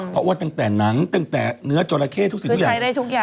เพราะว่าตั้งแต่หนังตั้งแต่เนื้อจราเข้ทุกสิ่งทุกอย่าง